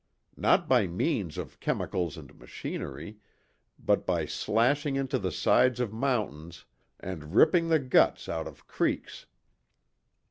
Not by means of chemicals and machinery, but by slashing into the sides of mountains, and ripping the guts out of creeks!